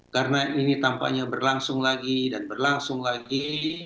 karena ini tampaknya berlangsung lagi dan berlangsung lagi